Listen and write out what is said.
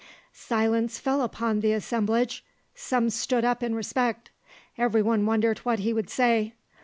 Silence fell upon the assemblage; some stood up in respect; everyone wondered what he would say.